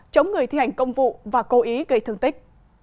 chống người thi hành công vụ và cố ý gây thương tích